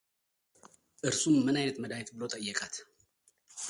እርሱም ምን ዓይነት መድኃኒት ብሎ ጠየቃት፡፡